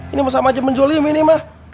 ini mah sama aja menjolimi nih mah